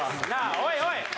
おいおい！